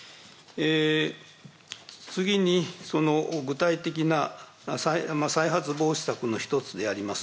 次にその具体的な再発防止策の一つであります